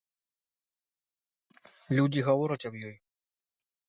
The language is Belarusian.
Людзі гавораць аб ёй.